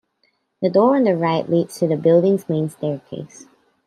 The door on the right leads to the building's main staircase.